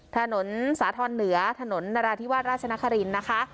ถนนสะท่อนเหนือถนนนราธิวรรดส์ราชชนครินต์นะคะ